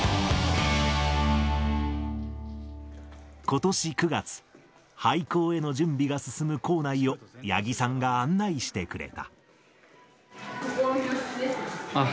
ことし９月、廃校への準備が進む校内を、八木さんが案内してくれ